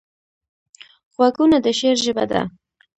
غوږونه د شعر ژبه ده